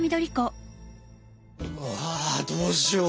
わどうしよう。